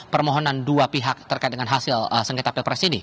permohonan dua pihak terkait dengan hasil sengit apel presidi